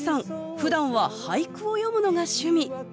ふだんは俳句を詠むのが趣味。